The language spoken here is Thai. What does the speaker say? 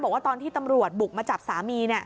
บอกว่าตอนที่ตำรวจบุกมาจับสามี